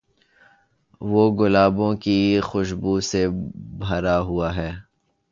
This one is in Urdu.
وہ گلابوں کی خوشبو سے بھرا ہوا ہے۔